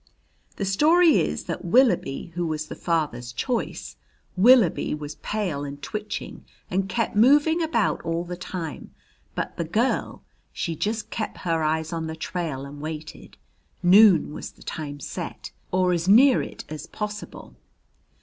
"The story is that Willoughby who was the father's choice Willoughby was pale and twitching and kep' moving about all the time. But the girl, she just kep' her eyes on the trail and waited. Noon was the time set, or as near it as possible.